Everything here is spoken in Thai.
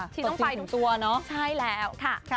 ต้องไปทุกเช้าใช่แล้ว